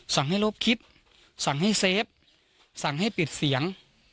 สั่งให้ลบคลิปสั่งให้เซฟสั่งให้ปิดเสียง